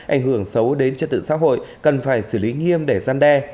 ảnh hưởng xấu đến trật tự xã hội cần phải xử lý nghiêm để gian đe